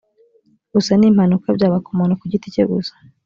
gusa n impanuka byaba ku muntu ku giti cye gusa